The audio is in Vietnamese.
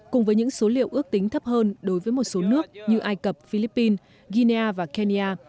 cùng với những số liệu ước tính thấp hơn đối với một số nước như ai cập philippines guinea và kenya